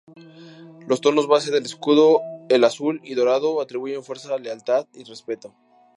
Los tonos base del escudo: el azul y dorado atribuyen fuerza, lealtad y respeto.